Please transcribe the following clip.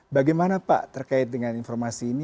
bagaimana pak terkait dengan informasi ini